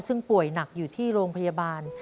ซึ่งป่วยหนักอยู่ที่โรงพยาบาล